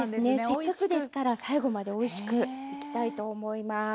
せっかくですから最後までおいしくいきたいと思います。